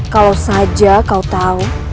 kalau saja kau tahu